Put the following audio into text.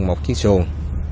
một chiếc xuồng